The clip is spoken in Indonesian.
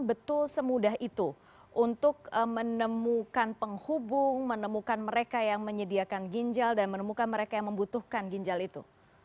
betul semudah itu untuk menemukan penghubung menemukan mereka yang menyediakan ginjal dan menemukan mereka yang membutuhkan ginjal itu